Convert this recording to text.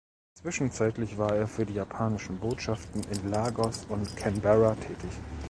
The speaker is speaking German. Zwischenzeitlich war er für die japanischen Botschaften in Lagos und Canberra tätig.